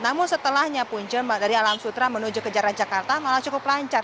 namun setelahnya punca dari alam sutra menuju ke jalan jakarta malah cukup lancar